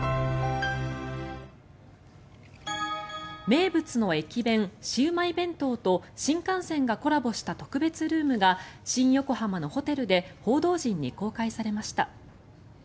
名物の駅弁、シウマイ弁当と新幹線がコラボした特別ルームが新横浜のホテルで報道陣に公開されました。